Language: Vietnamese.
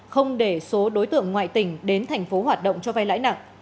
không để số đối tượng ngoại tỉnh đến thành phố hoạt động cho vay lãi nặng